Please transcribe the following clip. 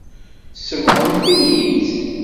Tsebɣemt-iyi-tt.